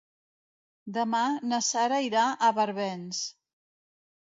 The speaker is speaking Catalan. Demà na Sara irà a Barbens.